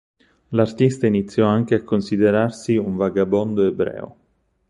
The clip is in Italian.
L'artista iniziò anche a considerarsi un "vagabondo ebreo".